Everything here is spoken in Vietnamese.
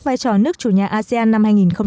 vai trò nước chủ nhà asean năm hai nghìn một mươi sáu